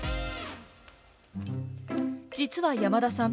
実は山田さん。